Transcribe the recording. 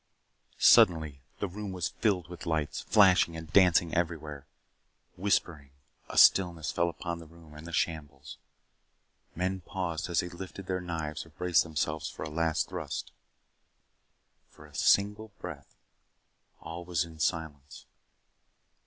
Suddenly the room was filled with lights, flashing and dancing everywhere. Whispering. A stillness fell upon the room and the shambles. Men paused as they lifted their knives or braced themselves for a last thrust. For a single breath, all was in silence.